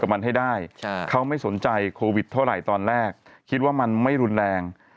มันให้ได้เขาไม่สนใจโควิดเท่าไหร่ตอนแรกคิดว่ามันไม่รุนแรง